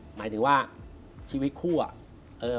หมายถึงว่าชีวิตคู่อะ